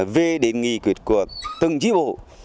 về đến nghị quyệt của từng chí bộ